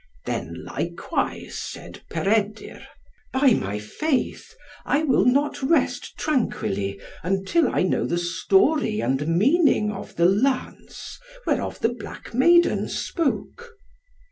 Then, likewise said Peredur, "By my faith, I will not rest tranquilly until I know the story and meaning of the lance whereof the black maiden spoke."